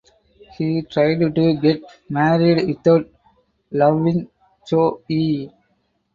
He tried to get married without loving Cho Yee.